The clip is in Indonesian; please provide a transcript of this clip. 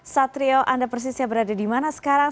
satrio anda persisnya berada di mana sekarang